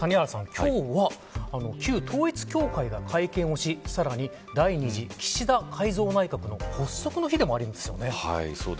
今日は旧統一教会が会見をし、さらに第２次岸田改造内閣の発足の日でもあるんです。